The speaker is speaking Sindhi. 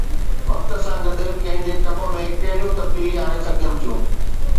وقت سان گڏ ڪنهن جي ڪم ۾ ڪهڙيون تبديليون آڻي سگهجن ٿيون